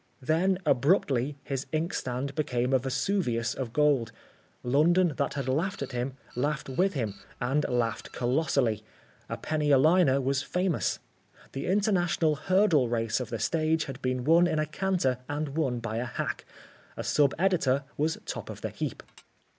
Then, abruptly, his inkstand became a Vesuvius of gold. London that had laughed at him, laughed with him and laughed colossally. A penny a liner was famous. The international hurdle race of the stage had been won in a canter and won by a hack. A sub editor was top of the heap.